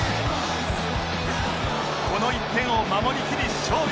この１点を守りきり勝利！